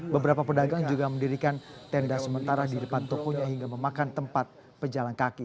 beberapa pedagang juga mendirikan tenda sementara di depan tokonya hingga memakan tempat pejalan kaki